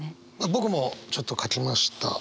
僕もちょっと書きました。